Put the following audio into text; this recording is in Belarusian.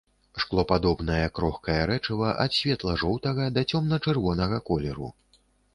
Шклопадобнае крохкае рэчыва ад светла-жоўтага да цёмна-чырвонага колеру.